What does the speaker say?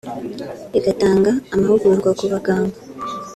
igatanga amahugurwa ku baganga